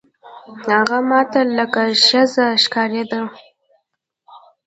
هغه ما ته لکه ښځه ښکارېده.